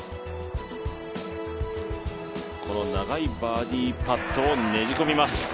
この長いバーディーパットをねじ込みます。